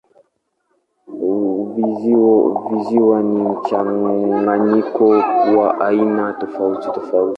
Visiwa ni mchanganyiko wa aina tofautitofauti.